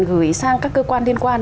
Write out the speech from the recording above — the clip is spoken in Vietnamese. gửi sang các cơ quan liên quan